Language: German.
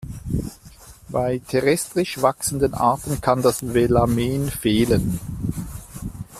Bei terrestrisch wachsenden Arten kann das Velamen fehlen.